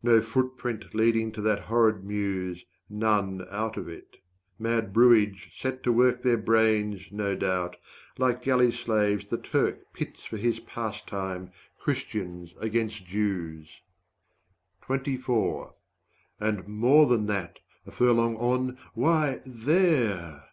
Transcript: No footprint leading to that horrid mews, 135 None out of it. Mad brewage set to work Their brains, no doubt, like galley slaves the Turk Pits for his pastime, Christians against Jews. And more than that a furlong on why, there!